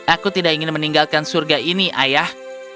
aku tidak ingin meninggalkan surga ini ayah